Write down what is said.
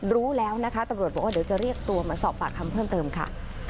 รู้แล้วนะคะตำรวจบอกว่าเดี๋ยวจะเรียกตัวมาสอบปากคำเพิ่มเติมค่ะ